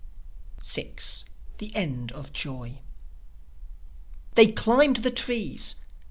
VI. THE END OF JOI They climbed the trees